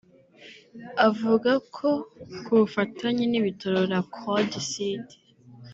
avuga ko ku bufatanye n’ibitaro La Croix du Sud